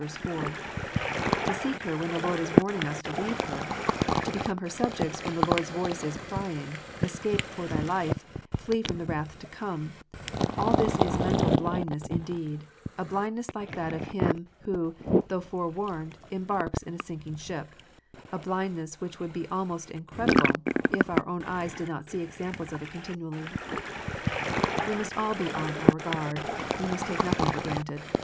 4), to seek her when the Lord is warning us to leave her, to become her subjects when the Lord s voice is crying, " Escape for thy life, flee from the wrath to come ;" all this is mental blindness indeed, a blindness like that of him who, though fore warned, embarks in a sinking ship, a blindness which would be almost incredible, if our own eyes did not see examples of it con tinually. We must all be on our guard. We must take nothing for granted.